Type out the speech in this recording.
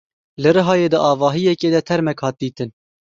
Li Rihayê di avahiyekê de termek hat dîtin.